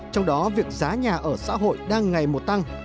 trong đó việc giá nhà ở xã hội đang ngày một tăng